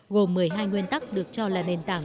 gồm một mươi hai nguyên tắc được cho là nền tảng